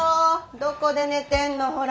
どこで寝てんのほら。